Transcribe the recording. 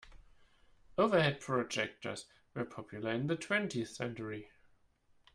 Overhead projectors were popular in the twentieth century.